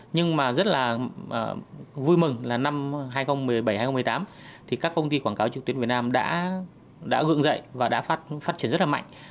nhưng mà rất là vui mừng là năm hai nghìn một mươi bảy hai nghìn một mươi tám thì các công ty quảng cáo trực tuyến việt nam đã gượng dậy và đã phát triển rất là mạnh